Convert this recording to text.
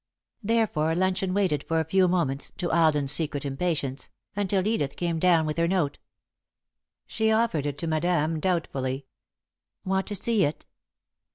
Therefore luncheon waited for a few moments, to Alden's secret impatience, until Edith came down with her note. She offered it to Madame, doubtfully. "Want to see it?"